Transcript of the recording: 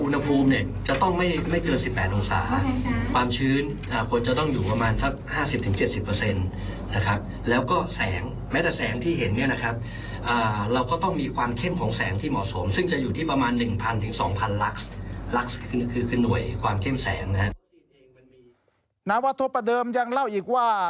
นาวาทัวร์ประเดิมยังเล่าอีกว่า